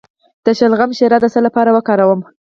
د شلغم شیره د څه لپاره وکاروم؟